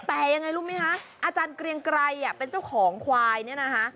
แต่ยังไงรู้ไหมคะอาจารย์เกรียงไกรเป็นเจ้าของควายเนี่ยนะคะ